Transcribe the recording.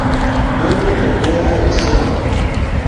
Benu modere Usonon!